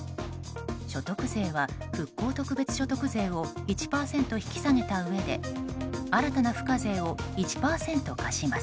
所得税は復興特別所得税を１％引き下げたうえで新たな付加税を１％課します。